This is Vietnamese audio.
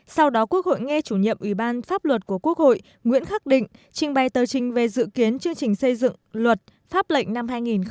sau đó quốc hội nghe chủ nhiệm ủy ban pháp luật của quốc hội nguyễn khắc định trình bày tờ trình về dự kiến chương trình xây dựng luật pháp lệnh năm hai nghìn hai mươi